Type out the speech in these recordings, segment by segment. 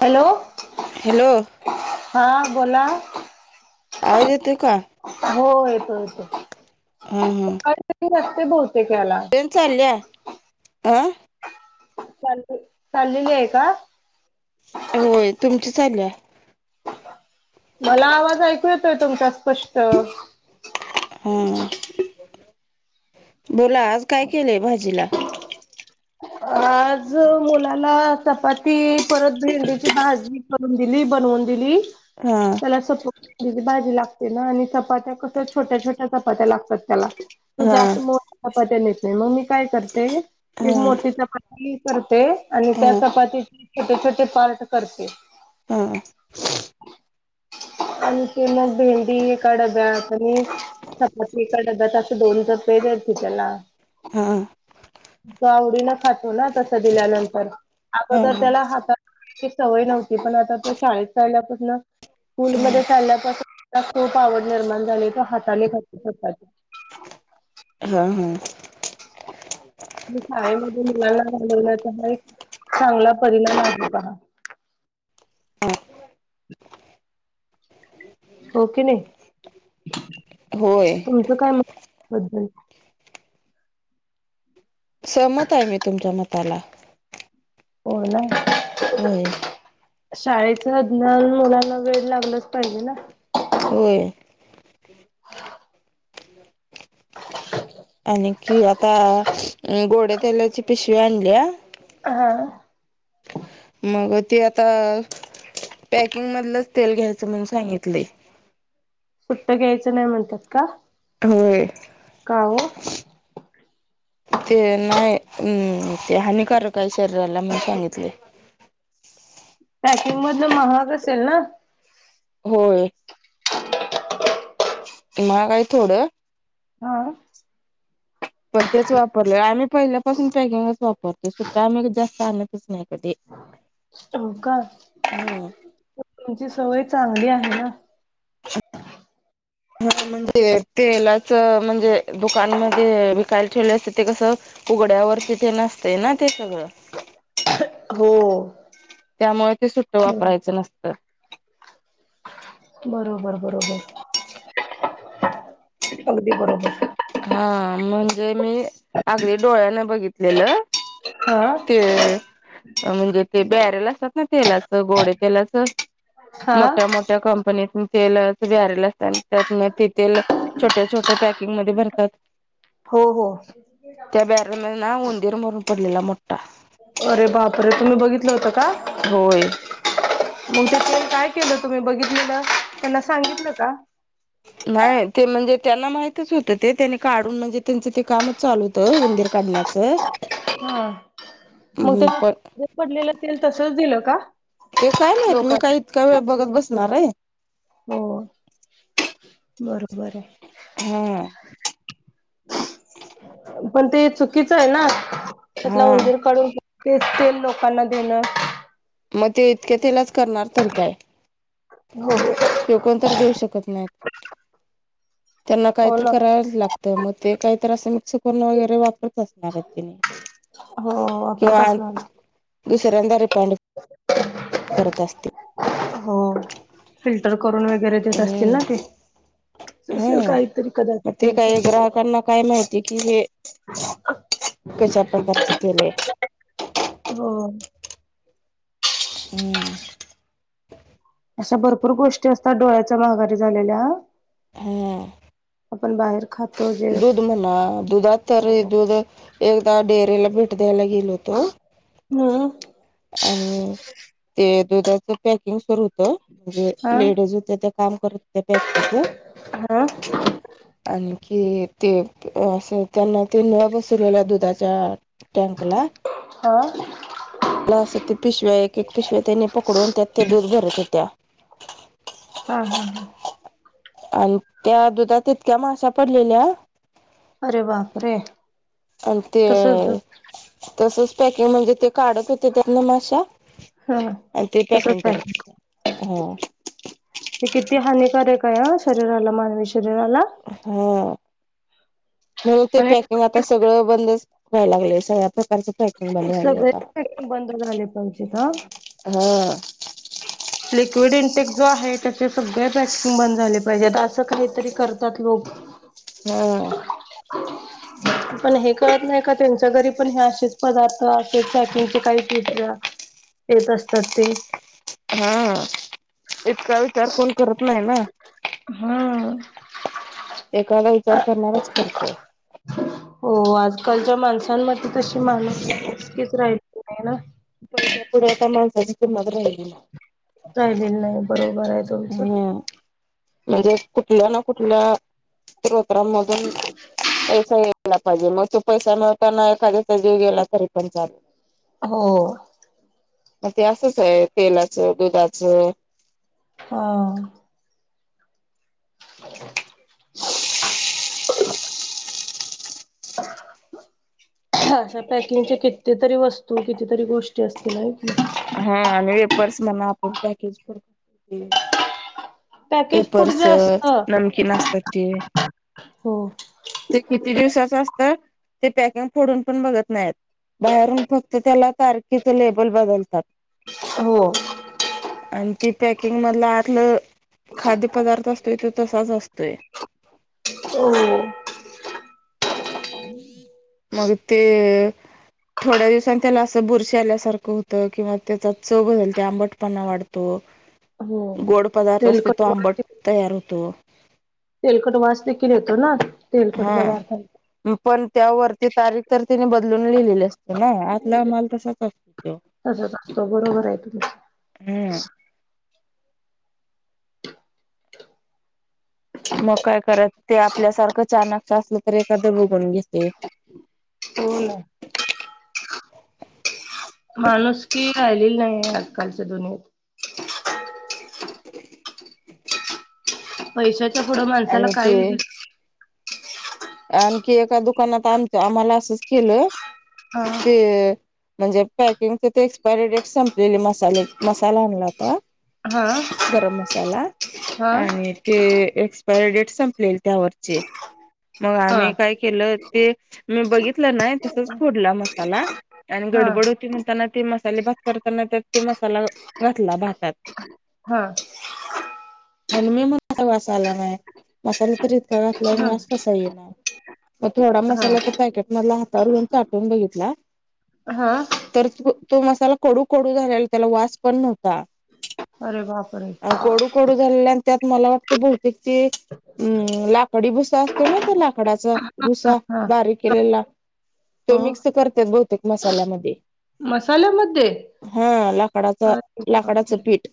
Hello. Hello हा बोला आवाज येतोय का? हो येतय येतोय. हम्म हम्म. ते नते बोतेक्याला. येऊन चालल्या अं. चालते चाललेली आहे का. होय तुमची चालल्या. मला आवाज ऐकू येतोय तुमचा स्पष्ट. हम्म बोला आज काय केलय भाजीला? आज जो मुलाला चपाती परत भेंडीची भाजी. करून दिली बनवून दिली हा त्याला सोप्प जिची भाजी लागते ना आणि चपात्या कस छोट्या छोट्या चपात्या लागतात त्याला. तू हा जास्त मोट चपाप्या येते मग मी काय करते एक हा मोठी. चपाती करते आणि हा त्या हा चपातीचे छोटे छोटे पार्ट करते. ह. आणि ते मग भेंडी एका डब्या आणि चपाती चा डब्यात असे दोन र पे द त त्याला. हा तो आवडीनं खातो ना तस दिल्यानंतर आता जर हा त्याला हाता. ते सवय नव्हती पण आता तो शाळेत राल्यापासून. हा स्कूलमध्ये चालल्यापासून खूप आवड निर्माण झाली ग तो हाताने खातोय चपाती हा हां. मी शाळेमध्ये मुलांना घलवण्याचा हा एक चांगला परिणाम आहे पहा. हो की नाही. होय. त काय मधन सहमत आहे मी तुमचा मताला. हो ना. होय शाळेचं अज्ञान मुलाना वेड लागलच पाहिजे ना. होय. [unintelligible] आणि की आता गोडे तेलाची पिशवी आणल्या. अ हा. मग ते आता पॅकिंग मधलंच तेल घ्यायचं म्हणून सांगितले. उष्ट घ्यायचं नाही म्हणतात का. होय. का हो. ते नाही हम्म ते हानिकार आहे शरीराला मण सांगितले. पॅकिंग मधलं महाग असेल ना. होय. महाग हाय थोडं हा. पण तेच वापरले आम्ही पहिल्यापासून पॅकिंगच वापरते सुट्टा आम्ही जास्त आणतच नाही कधी. [inaudible] हो का हम्म तुमची सवय चांगली आहे ना? हा म्हणजे तेलाच म्हणजे दुकानमधे वीकायला ठेवले असते ते कसं उघड्यावरती तेन असतंय ना ते सगळं. हो त्यामुळे ते सुट्ट वापरायचं नसतं. बरोबर, बरोबर. अगदी बरोबर. हा म्हणजे मी अगदी डोळ्याने बघितलेलं. हा. ते म्हणजे ते बॅरेल असतात ना तेलाचं गोडे तेलाचं. हा मोठ मो कंपनीतून तेल ते बॅरल असतात आणि त्यातनं ते तेल छोट्या छोट्या पेकिंगमध्ये भर [unintelligible] हो, हो. त्या बॅरलमध्ये ना उंदीर मरून पडलेला मोठा. अरे बापरे तुम्ही बघितलं होतं का? होय मग ते तेल काय केलं तुम्ही बघितलेलं त्यांना सांगितलं का? नाही ते म्हणजे त्यांना माहितच होतं ते. त्यांनी काढून म्हणजे त्यांचं ते काम चालू होत उंदीर काढण्याचं. हा मग हम्म तुम्ही पण ते [unintelligible] पडलेलं तेल तसंच दिलं का? ते काय माहिती मी काय लोकांना इतका वेळ बघत बसणार आहे. हो, बरोबर आहे. हम्म. पण ते चुकीचं आहे ना त्यातला हा उंदीर काढून तेच तेल लोकांना देणं. मग ते इतक्या तेलाच करणार तरी काय? हो. फेकून तर देऊ शकत नाही, त्यांना हो काहीतरी ना करावच लाग तय ते मग ते काहीतर अस मिक्स करून वगैरे वापरत असणार हाईत तेनी. हो, वापरत असणार. दुसऱ्यांदा रीफाइंड करत असतील. हो, फिल्टर करून वगैरे असतील हम्म ना ते, असेल काहीतरी कदाचित त्यांच. लोकांना काय माहीत. ते की हे कशा प्रकारचं तेल‌‌ हाय. हो. हम्म. अशा भरपूर गोष्टी असतात डोळ्याच्या माघारी झालेल्या. हा आपण बाहेर खातो जे दूध म्हणा, दुधात तर दूध एकदा डेरीला भेट द्यायला गेलो तो हम्म आणि ते दुधाच पॅकिंग सुरु होतं म्हणजे हा लेडीज होत्या त्या काम करत होत्या पॅकिंगचं. हा हा आणि कि ते असं त्यांना ते नळ्या बसवलेल्या दुधाच्या टँकला. हा. त्याला असं ते पिशव्या एक एक पिशव्या त्यांनी पकडून त्यात त्या दूध भरत होत्या. हा, हा, हा. आणि त्या दुधात इतक्या माश्या पडलेल्या अरे बाप रे तसंच दुध तसंच पॅकिंग म्हणजे ते काढत होते त्यातन माश्या हा आण ते पॅकिंग तसच आहे करत होते. हम्म. हे किती हानिकारक आहे हा शरीराला मानवी शरीराला. हा, म्हणून ते पण पॅकिंग आता सगळ बंदच व्हाय लागलाय सगळ्या प्रकारचं पॅकिंग. बंद व्हायले सगळे आता. पॅकिंग बंद झाले पाहिजेत हा. हा. लिक्विड इंटेक जो आहे त्याचै सगळे पॅकिंग बंद झाले पाहिजेत असं काहीतरी करतात लोकं हा. पण हे कळत नाही का त्यांच्या घरी पण हे असेच पदार्थ अशाच पॅकिंगचे काही [unintelligible] पेत असतात ते. हा, इतका विचार कोण करत नाही ना. हा. एखादा विचार करणाराच करतो. हो आजकालच्या माणसांमध्ये तशी माणूसकीच राहिली नाही ना. पैशापुढे आता माणसाची किंमतच राहिली नाहीये. राहिलेली नाही. बरोबर आहे. तुमचं हम्म. म्हणजे कुठल्या ना कुठल्या स्त्रोत्रांमधून पैसा ये याला पाहिजे मग तो पैसा मिळताना एखाद्याचा जीव गेला तरी पण चालतं. हो. मग ते असंच आहे तेलाचं, दुधाचं हा. [inaudible] अशा पॅकिंगच्या कितीतरी वस्तू, कितीतरी गोष्टी असतील आहे की नई. हा आणि वेपर्स म्हणा आपण पॅकेज [unintelligible] पॅकेज फूड वेफर्स, जे असत नमकीन असतात ती हो ते किती दिवसाच असतंय ते पॅकिंग फोडून पण बघत नाहीत. बाहेरून फक्त त्याला तारखेचं लेबल बदलतात. हो. आणि ती पॅकिंगमधलं आतलं खाद्य पदार्थ असतोय तो तसाच असतोय. हो. [inaudible] मग ते थोड्या दिवसांनी त्याला असं बुरशी आल्यासारखं होतं किंवा त्याचा चव बदलते, आंबटपणा वाढ तो, हो गोड पदार्थ असते तो तेलकट आंबट वास तयार होतो. तेलकट वास देखील येतो ना? तेलकट पदार्थांचा हा पण त्यावर ते तारीख तर त्याने बदलून लिहिलेली असते ना आतला माल तसाच असतो त्यो. कशाचा? हो बरोबर आहे तुमचं. हम्म. मग काय करायच ते आपल्यासारखं चाणाक्ष असलं तरी एखादं बघून घेतंय. हो ना. माणुसकी राहिलेली नाही आजकालच्या दुनियेत. [inaudible] पैशाच्या पुढं माणसाला आणि ते काहीही दिसत आणखी एका दुकानात आमच्या आम्ह आम्हाला असंच केलं. हा ते म्हणजे पॅकिंगचं ते एक्सपायरी डेट संपलेली, मसाले मसाला आणला होता. हा गरम मसाला हा आणि ते एक्सपायरी डेट संपलेली त्यावरची. मग आम्ही हा काय केलं, ते मी बघितलं नाही तसच फोडला मसाला. आणि हा गडबड होती म्हणताना ते मसाले भात करताना, त्यात ते मसाला घातला भातात. हा. आणि मी म [unintelligible] वास आला नाही. मसाला तरी इतका घातलाय आणि वास हा कसा येईना, मग थोडा हा मसाला ते पॅकेट मधला हातावर चाटून बघितला. हा? तर त तो मसाला कडू कडू झालेला त्याला वास पण नव्हता. अरे बाप रे. कडू झालेला आन त्यात मला वाटतंय बहुतेक ते अं लाकडी भुसा अस ते माहित आहे लाकडाच भुसा हा बारीक केलेला? तो हो मिक्स करत्यात बहुतेक मसाल्यामध्ये. मसाल्यामध्ये हा लाकडाचा अरे लाकडाचं बापरे पीठ.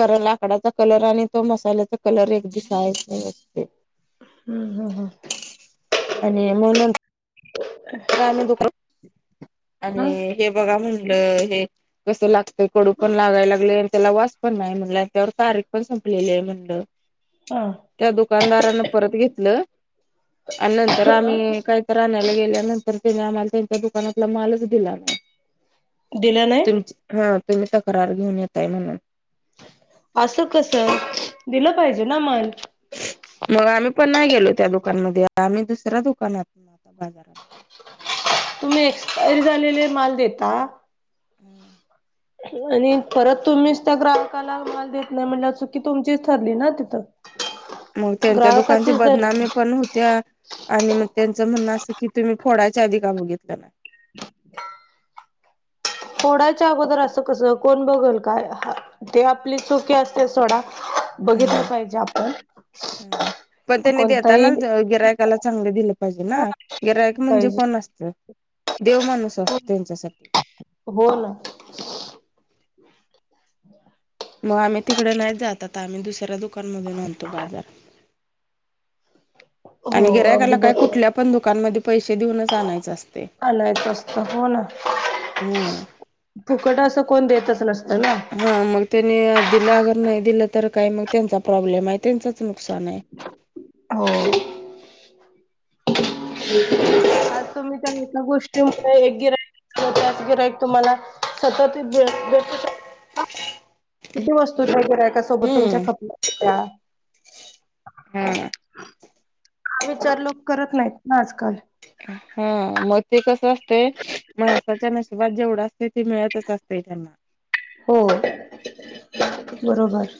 खरं लाकडाचा कलर आणि तो मसाल्याचा कलर एक दिसाय [unintelligible] हम्म हं हं. आणि मग नं तर आम्ही दुकान हा आणि हे बघा म्हणलं हे कसं लागतय कडू पण लागाय लागलंय आणि त्याला वासपण नाही म्हणलं. याच्यावर तारीख पण संपलेली आहे म्हटलं. हा त्या दुकानदारानं परत घेतलं. आणि नंतर आम्ही काहीतर आणायला गेल्यानं तर त्यांने आम्हाला त्यांच्या दुकानातला मालच दिला न्हाय. दिला नाही? तुमची हा तुम्ही तक्रार घेऊन येताय म्हणून. अस कसं दिलं पाहिजे ना माल. मग आम्ही पण नाही गेलो त्या दुकानमध्ये, आम्ही दुसऱ्या दुकानात बाजारात. तुम्ही एक्स्पायरी झालेले माल देता हम्म. आणि परत तुम्हीच त्या ग्राहकाला माल देत नाही म्हटल्यावर चुकी तुम ची ठरली ना तिथं. मग त्यांच्या दुकानची ग्राहकाचीच धरली बदनामी पण होत्या. आणि मग त्यांचं म्हणणं असं की, तुम्ही फोडायच्या आधी का बघितलं नाय. फोडायच्या अगोदर असं कसं कोण बघल का? हा ते आपली चूक ते असते सोडा बघितलं ह पाहिजे आपण. कोणतही त्याला चांगले दिलं पाहिजे ना. गिराईक म्हणजे पाहिजे कोण असतं? देव माणूस असतो त्यांच्यासाठी. हो ना. मग आम्ही तिकडे नाही जात आता. आम्ही दुसऱ्या दुकान मधून आणतो बाजार. हो आणि अगदी गिरायकाला काय कुठल्या पण दुकानमधे पैसे देऊनच आणायच असते आलायचं असतं हो ना. ह फुकट असं कोण देतच नसतं ना. हा मग त्यांनी दिलं अगर नाही दिलं. तर काय मग त्यांचा प्रॉब्लेम आहे, त्यांचंच नुकसान आहे. हो. आज तुम्ही त्या एका गोष्टीव र एक गिऱ्हाईक त्याच गिरायक तुम्हाला सतत भेटू शकतं ना किती वस्तू त्या गिऱ्हाईकासोबत तुमच्या हम्म खपल्या? हम्म. विचार लोक करत नाहीत ना आजकाल. हा मग ते कसं असतंय, माणसाच्या नशिबात जेवढा असतंय ते मिळतंच असतंय त्यांना. हो बरोबर.